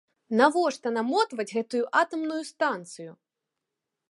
Навошта намотваць гэтую атамную станцыю?!